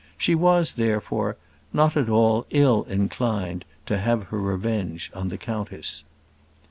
She was, therefore, not at all ill inclined to have her revenge on the countess.